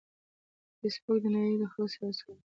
فېسبوک د نړۍ د خلکو سره وصلوي